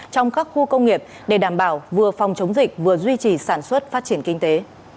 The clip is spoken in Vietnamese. trong các khu công nghiệp để đảm bảo vừa phòng chống dịch vừa duy trì sản xuất phát triển kinh tế